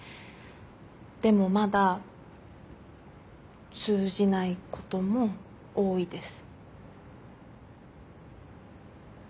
でもまだ通じないことも多いです。